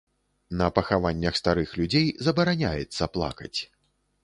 На пахаваннях старых людзей забараняецца плакаць.